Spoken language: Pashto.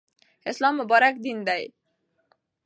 اسلام مبارک دین دی.